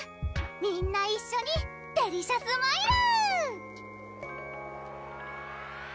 みんな一緒にデリシャスマイル！